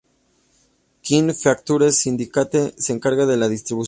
King Features Syndicate se encarga de la distribución.